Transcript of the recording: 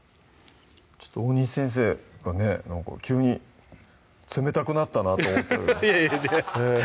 ちょっと大西先生がねなんか急に冷たくなったなと思っていやいや違います